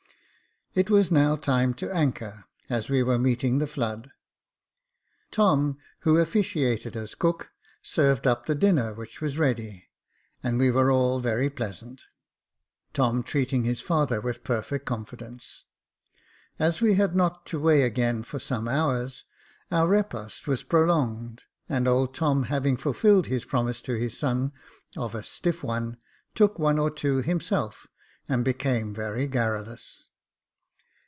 It was now time to anchor, as we were meeting the flood. Tom, who officiated as cook, served up the dinner, which was ready ; and we were all very pleasant ; Tom treating his father with perfect confidence. As we had not to weigh again for some hours, our repast was pro longed, and old Tom, having fulfilled his promise to his son, of a stiffs oncy took one or two himself, and became very garrulous.